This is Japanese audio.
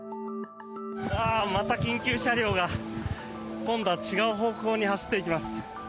また緊急車両が今度は違う方向に走っていきます。